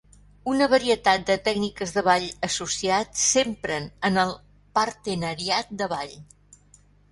Una varietat de tècniques de ball associat s'empren en el partenariat de ball.